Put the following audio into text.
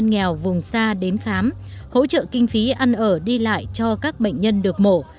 nghèo vùng xa đến khám hỗ trợ kinh phí ăn ở đi lại cho các bệnh nhân được mổ